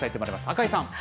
赤井さん。